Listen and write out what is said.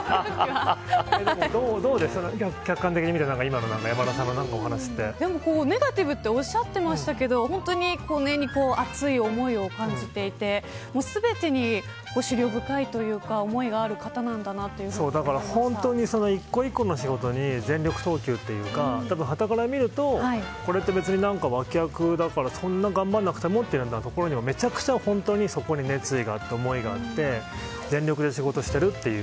でも、どうでした客観的に見てでもネガティブとおっしゃってましたけど本当に根に熱い思いを感じていて全てに思慮深いというか本当に一個一個の仕事に全力投球というかはたから見るとこれって別に脇役だからそんなに頑張らなくてもというところにもめちゃくちゃそこに熱意があって思いがあって全力で仕事しているという。